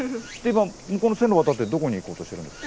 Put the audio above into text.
向こうの線路渡ってどこに行こうとしてるんですか？